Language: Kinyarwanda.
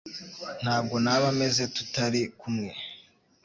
Ntabwo naba meze tutari kumwe